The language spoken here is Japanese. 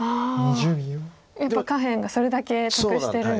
やっぱり下辺がそれだけ得してるんですね。